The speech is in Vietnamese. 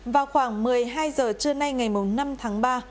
vào khoảng một mươi hai giờ trưa nay ngày năm tháng ba